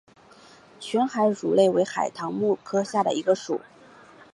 全海笋属为海螂目鸥蛤科下的一个属。